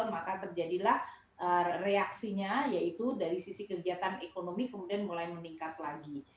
maka terjadilah reaksinya yaitu dari sisi kegiatan ekonomi kemudian mulai meningkat lagi